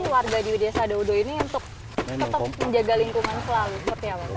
warga di desa doudo ini untuk tetap menjaga lingkungan selalu